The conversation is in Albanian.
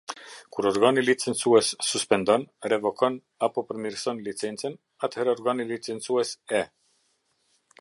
Kur organi licencues suspendon, revokon apo përmirëson licencën, atëherë organi licencues e.